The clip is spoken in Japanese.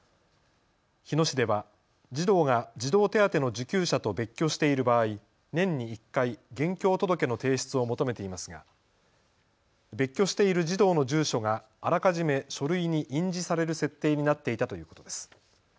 日野市では児童が児童手当の受給者と別居している場合、年に１回、現況届の提出を求めていますが別居している児童の住所があらかじめ書類に印字される設定になっていたということです。